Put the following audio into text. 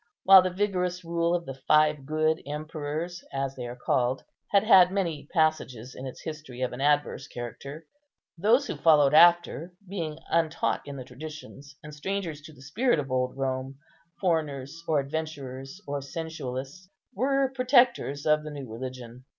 While the vigorous rule of the five good emperors, as they are called, had had many passages in its history of an adverse character, those who followed after, being untaught in the traditions, and strangers to the spirit of old Rome, foreigners, or adventurers, or sensualists, were protectors of the new religion.